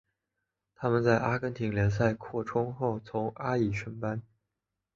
他们在阿根廷联赛扩充后从阿乙升班。